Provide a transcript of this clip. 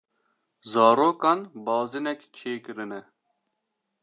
Zarokan bazinek çêkirine.